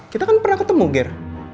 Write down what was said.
kita kan pernah ketemu gear